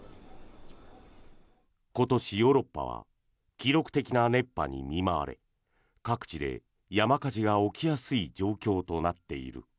今年、ヨーロッパは記録的な熱波に見舞われ各地で山火事が起きやすい状況となっている。